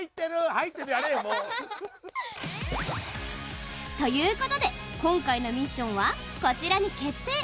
入ってるやあらへんもう。ということで今回のミッションはこちらに決定。